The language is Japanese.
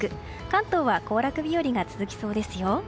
関東は行楽日和が続きそうですよ。